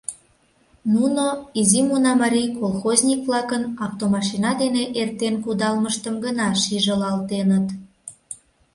Нуно Изи Мунамарий колхозник-влакын автомашина дене эртен кудалмыштым гына шижылалтеныт.